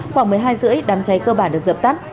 khoảng một mươi hai rưỡi đám cháy cơ bản được dập tắt